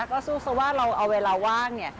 ก็สู้สว่าเราเอาเวลาว่าง